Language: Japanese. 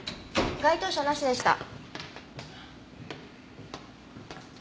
該当者なしでした。